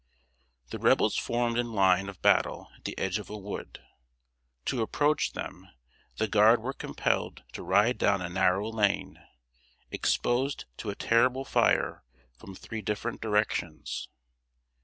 ] The Rebels formed in line of battle at the edge of a wood. To approach them, the Guard were compelled to ride down a narrow lane, exposed to a terrible fire from three different directions.